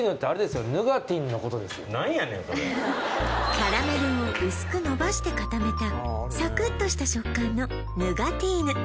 キャラメルを薄くのばして固めたサクッとした食感のヌガティーヌ